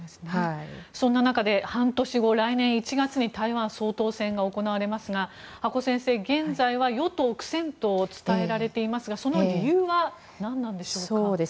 そんな中で半年後の来年１月に台湾総統選が行われますが阿古先生、現在は与党苦戦と伝えられていますがその理由は何なんでしょうか。